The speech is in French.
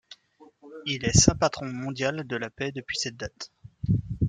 Il est Saint-patron mondial de la paix depuis cette date.